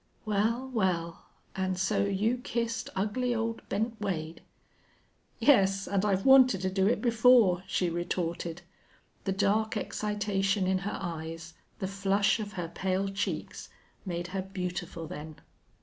"Well, well, an' so you kissed ugly old Bent Wade?" "Yes, and I've wanted to do it before," she retorted. The dark excitation in her eyes, the flush of her pale cheeks, made her beautiful then.